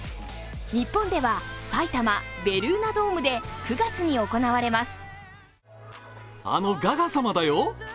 日本では、埼玉・ベルーナドームで９月に行われます。